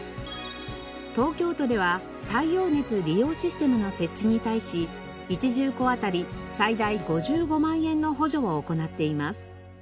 東京都では太陽熱利用システムの設置に対し１住戸あたり最大５５万円の補助を行っています。